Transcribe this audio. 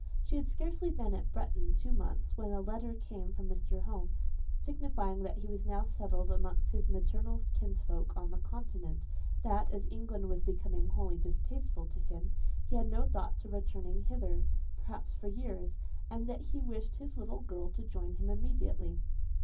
She had scarcely been at Bretton two months, when a letter came from Mr. Home, signifying that he was now settled amongst his maternal kinsfolk on the Continent; that, as England was become wholly distasteful to him, he had no thoughts of returning hither, perhaps, for years; and that he wished his little girl to join him immediately.